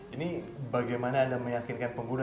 ini bagaimana anda meyakinkan pengguna